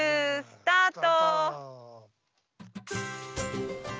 スタート。